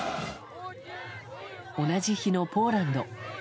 同じ日のポーランド。